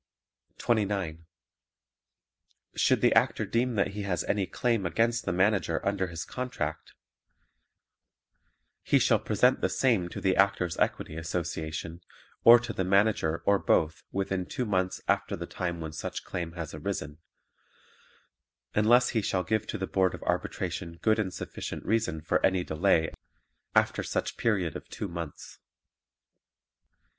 29. Should the Actor deem that he has any claim against the Manager under his contract he shall present the same to the Actors' Equity Association or to the Manager or both within two months after the time when such claim has arisen, unless he shall give to the Board of Arbitration good and sufficient reason for any delay after such period of two months.